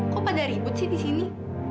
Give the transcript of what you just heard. kok pada ribut sih di sini